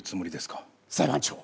裁判長。